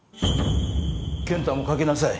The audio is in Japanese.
健太もかけなさい。